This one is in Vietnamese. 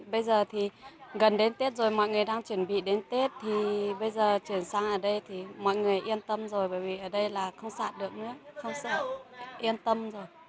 bây giờ thì gần đến tết rồi mọi người đang chuẩn bị đến tết thì bây giờ chuyển sang ở đây thì mọi người yên tâm rồi bởi vì ở đây là không xạ được nữa không sợ yên tâm rồi